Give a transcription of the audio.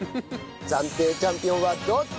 暫定チャンピオンはどっち！？